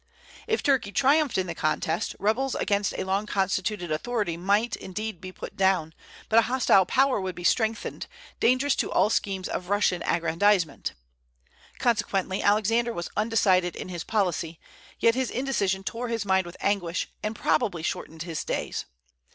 If Turkey triumphed in the contest, rebels against a long constituted authority might indeed be put down; but a hostile power would be strengthened, dangerous to all schemes of Russian aggrandizement. Consequently Alexander was undecided in his policy; yet his indecision tore his mind with anguish, and probably shortened his days.